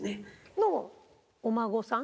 のお孫さん。